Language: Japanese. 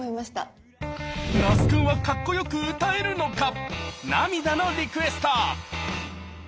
那須くんはかっこよく歌えるのか⁉「涙のリクエスト」